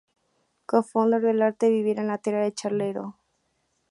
Co-fundador de "El arte de vivir en la tierra de Charleroi".